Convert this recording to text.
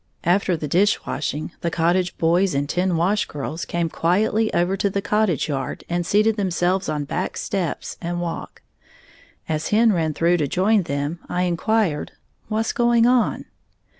After the dish washing, the cottage boys and ten wash girls came quietly over to the cottage yard and seated themselves on back steps and walk. As Hen ran through to join them I inquired, "What's going on?"